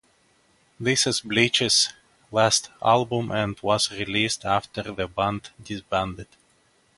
This is Bleach's last album and was released after the band disbanded.